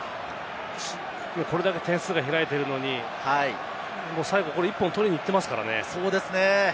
これだけ点数が開いてるのに、もう最後、１本取りに行ってますからね。